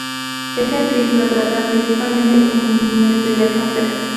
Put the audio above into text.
Este artículo trata principalmente con el primer concepto.